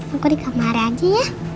aku di kamar aja ya